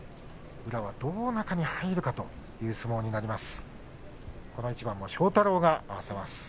宇良はどうやって中に入るかという相撲になります。